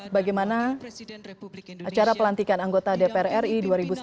bagaimana presiden republik indonesia acara pelantikan anggota dpr ri dua ribu sembilan belas dua ribu dua puluh empat